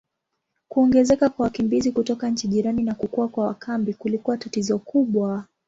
Kuongezeka kwa wakimbizi kutoka nchi jirani na kukua kwa makambi kulikuwa tatizo kubwa.